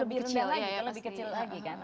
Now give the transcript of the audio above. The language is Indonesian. lebih kecil lagi kan